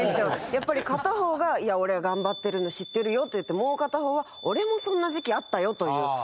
やっぱり片方が「いや俺は頑張ってるの知ってるよ」と言ってもう片方は「俺もそんな時期あったよ」と言う。